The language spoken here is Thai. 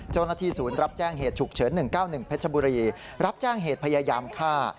เจ้าหน้าที่ศูนย์รับแจ้งเหตุฉุกเฉิน๑๙๑พัชบุรีรับแจ้งเหตุพยายามฆ่า